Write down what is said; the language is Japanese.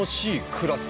クラス。